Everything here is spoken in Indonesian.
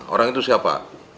orang itu siapa